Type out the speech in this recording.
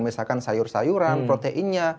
misalkan sayur sayuran proteinnya